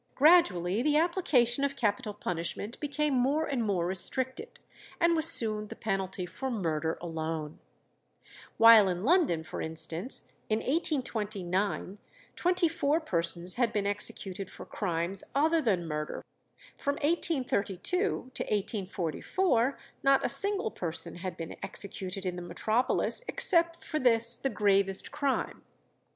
Gradually the application of capital punishment became more and more restricted, and was soon the penalty for murder alone. While in London, for instance, in 1829, twenty four persons had been executed for crimes other than murder, from 1832 to 1844 not a single person had been executed in the metropolis except for this the gravest crime.